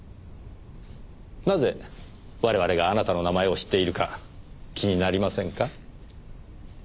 なぜ我々があなたの名前を知っているか気になりませんか？